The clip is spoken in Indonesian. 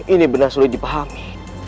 ini benar selalu dipahami